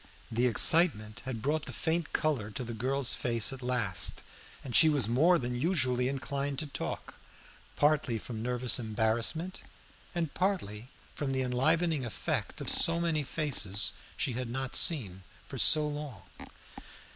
The excitement had brought the faint color to the girl's face at last, and she was more than usually inclined to talk, partly from nervous embarrassment, and partly from the enlivening effect of so many faces she had not seen for so long.